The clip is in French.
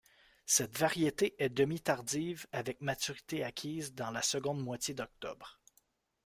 Cette variété est demi-tardive avec maturité acquise dans la seconde moitié d'octobre.